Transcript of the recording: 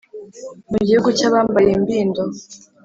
Mu gihugu cyabambaye imbindo